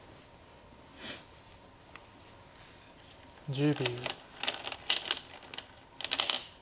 １０秒。